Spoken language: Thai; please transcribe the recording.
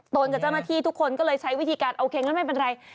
กับเจ้าหน้าที่ทุกคนก็เลยใช้วิธีการโอเคงั้นไม่เป็นไร